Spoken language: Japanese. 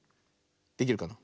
できるかな。